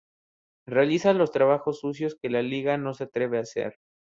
Realiza los trabajos sucios que la liga no se atreve a hacer.